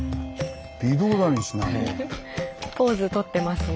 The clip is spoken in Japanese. ポーズとってますね。